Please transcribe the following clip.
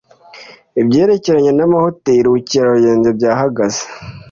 ibyerekeranye n amahoteli ubukerarugendo byahagaze